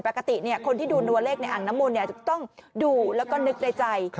ปกติคนที่ดูตัวเลขในอ่างน้ำมนต์จะต้องดูแล้วก็นึกในใจ